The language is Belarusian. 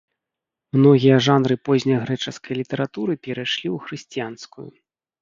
Многія жанры позняй грэчаскай літаратуры перайшлі ў хрысціянскую.